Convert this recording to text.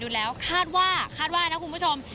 อยู่แล้วคาดว่าคาดว่านะคุณผู้ชม